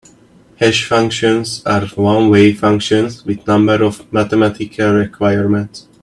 Hash functions are one-way functions with a number of mathematical requirements.